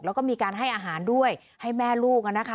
แล้วก็มีการให้อาหารด้วยให้แม่ลูกนะคะ